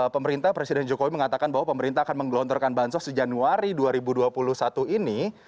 pemerintah presiden jokowi mengatakan bahwa pemerintah akan menggelontorkan bansos di januari dua ribu dua puluh satu ini